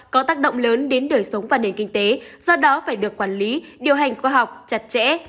có tác động lớn đến đời sống và nền kinh tế do đó phải được quản lý điều hành khoa học chặt chẽ